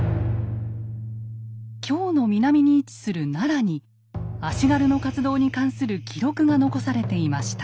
京の南に位置する奈良に足軽の活動に関する記録が残されていました。